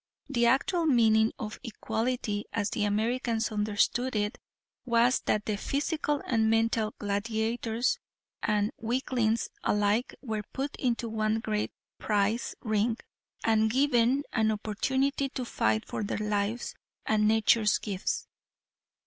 The actual meaning of equality, as the Americans understood it, was that the physical and mental gladiators and weaklings alike were put into one great prize ring and given an opportunity to fight for their lives and nature's gifts.